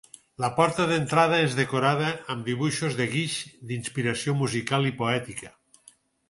La porta d'entrada és decorada amb dibuixos de guix d'inspiració musical i poètica.